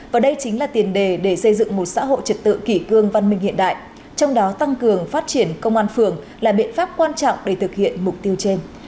và đây chính là tiền đề để xây dựng một xã hội trật tự kỷ cương văn minh hiện đại trong đó tăng cường phát triển công an phường là biện pháp quan trọng để thực hiện mục tiêu trên